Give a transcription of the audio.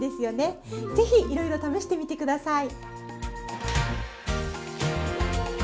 ぜひいろいろ試してみて下さい！